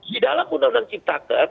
di dalam undang undang cipta ter